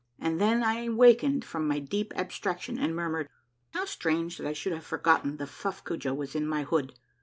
" and then I wakened from my deep abstraction and murmured, —" How strange that I should have forgotten that Fuffcoojah was in my hood